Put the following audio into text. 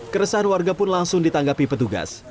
keresahan warga pun langsung ditanggapi petugas